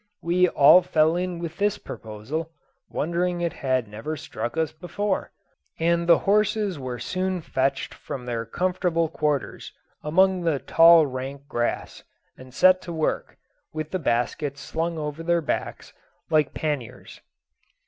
We all fell in with this proposal, wondering it had never struck us before, and the horses were soon fetched from their comfortable quarters among the tall rank grass, and set to work, with the baskets slung over their backs, like panniers.